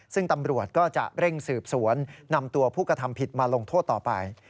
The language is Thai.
ซึ่งตำรวจก็จะเร่งสืบสวนนำตัวผู้กระทำผิดมาลงโทษต่อไป